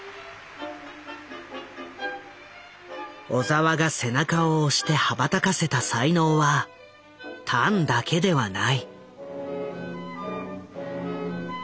小澤が背中を押して羽ばたかせた才能はタンだけではない。